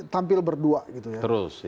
tampil berdua gitu ya